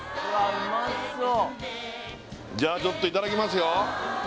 じゃちょっといただきますよ